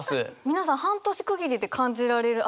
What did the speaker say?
皆さん半年区切りで感じられる？